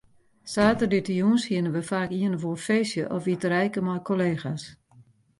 Saterdeitejûns hiene we faak ien of oar feestje of iterijke mei kollega's.